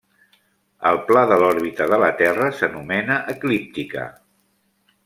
El pla de l'òrbita de la Terra s'anomena eclíptica.